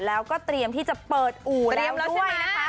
แล้วก็เตรียมที่จะเปิดอู่แล้วด้วยนะคะ